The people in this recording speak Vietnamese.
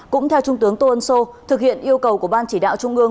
cũng theo trung tướng tô ân sô thực hiện yêu cầu của ban chỉ đạo trung ương